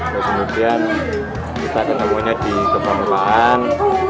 kemudian kita ketemunya di pramukaan